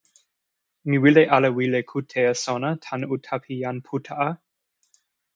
mi wile ala wile kute e sona tan uta pi jan Puta a.